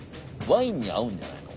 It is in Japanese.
ワインに合うんじゃないの？